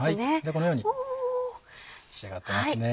このように仕上がってますね。